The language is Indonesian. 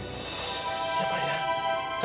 ya pak ya